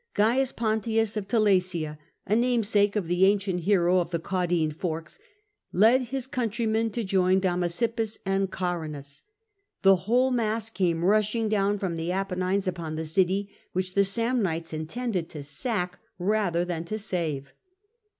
Gains Pontius of Telesia, a namesake of the ancient hero of the Caudine Forks, led his country men to join Damasippus and Garrinas. The whole mass came rushing down from the Apennines upon the city, which the Samnites intended to sack rather than to save.